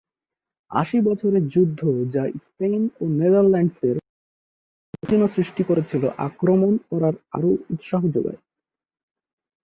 আশি বছরের যুদ্ধ যা স্পেন ও নেদারল্যান্ডসের মধ্যে উত্তেজনা সৃষ্টি করেছিল আক্রমণ করার আরও উৎসাহ জোগায়।